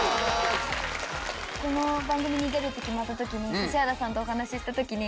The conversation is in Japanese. この番組に出るって決まった時指原さんとお話しした時に。